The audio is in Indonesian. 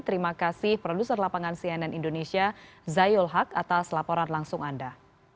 terima kasih produser lapangan cnn indonesia zayul haq atas laporan langsung anda